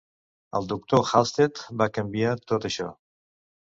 El Doctor Halsted va canviar tot això.